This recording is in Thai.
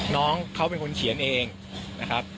น้องเขาเป็นคนเขียนเองนะครับ